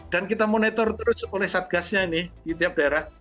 dan kita monitor terus oleh satgasnya ini di tiap daerah